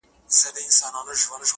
د کوهي څنډي ته نه وو راختلی -